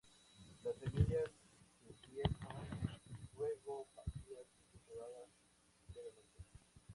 Las semillas sin piel son luego partidas y trituradas levemente.